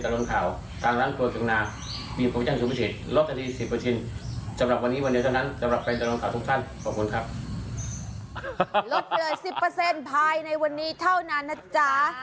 ลดเลย๑๐ภายในวันนี้เท่านั้นนะจ๊ะ